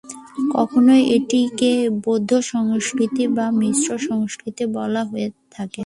কখনও এটিকে বৌদ্ধ সংস্কৃত বা মিশ্র সংস্কৃত বলা হয়ে থাকে।